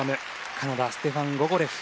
カナダステファン・ゴゴレフ。